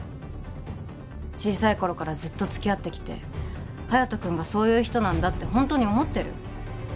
小さい頃からずっとつきあってきて隼人君がそういう人なんだってホントに思ってる？